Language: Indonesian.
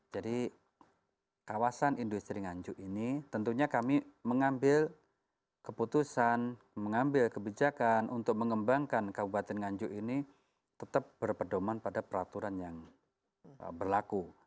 jadi kawasan industri ganjuk ini tentunya kami mengambil keputusan mengambil kebijakan untuk mengembangkan kabupaten ganjuk ini tetap berpedoman pada peraturan yang berlaku